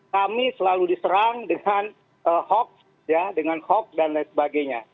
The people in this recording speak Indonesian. kami selalu diserang dengan hoax dengan hoax dan lain sebagainya